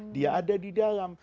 dia ada di dalam